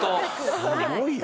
すごいね。